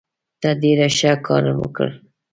ته ډېر ښه کار وکړ.